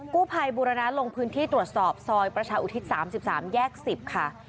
กู้ภัยบูรณะลงพื้นที่ตรวจสอบซอยประชาอุทิศ๓๓แยก๑๐ค่ะ